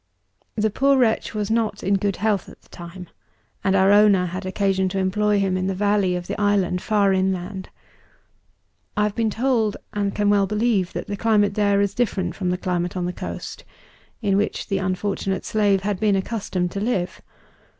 "The poor wretch was not in good health at the time; and our owner had occasion to employ him in the valley of the island far inland. I have been told, and can well believe, that the climate there is different from the climate on the coast in which the unfortunate slave had been accustomed to live.